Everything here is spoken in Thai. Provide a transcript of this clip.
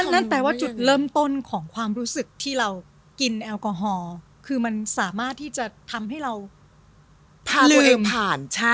นั่นแปลว่าจุดเริ่มต้นของความรู้สึกที่เรากินแอลกอฮอล์คือมันสามารถที่จะทำให้เราผ่านตัวเองผ่าน